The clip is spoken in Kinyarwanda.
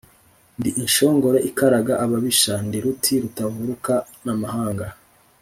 Ndi inshongore ikaraga ababisha, ndi ruti rutavaruka n'amahanga.